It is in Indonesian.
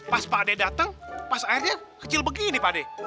pas pak dek dateng pas airnya kecil begini pak dek